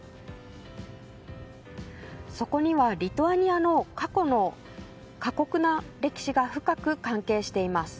そこにはリトアニアの過去の過酷な歴史が深く関係しています。